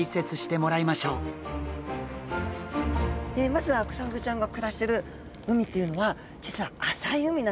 まずはクサフグちゃんが暮らしてる海というのは実は浅い海なんですね。